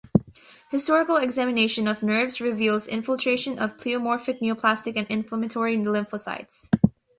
Histological examination of nerves reveals infiltration of pleomorphic neoplastic and inflammatory lymphocytes.